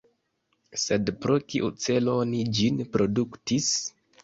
Sed pro kiu celo oni ĝin produktis?